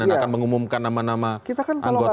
dan akan mengumumkan nama nama anggota yang terlibat tadi